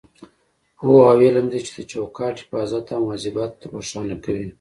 پوهه او علم دی چې د چوکاټ حفاظت او مواظبت روښانه کوي.